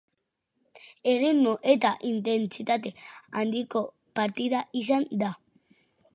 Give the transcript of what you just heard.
Erritmo eta intentsitate handiko partida izan da.